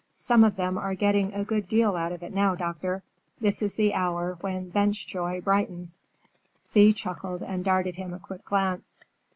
"Some of them are getting a good deal out of it now, doctor. This is the hour when bench joy brightens." Thea chuckled and darted him a quick glance.